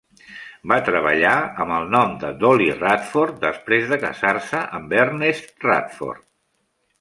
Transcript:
Va treballar amb el nom de "Dollie Radford" després de casar-se amb Ernest Radford.